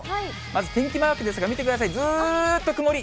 まず天気マークですが、見てください、ずっと曇り。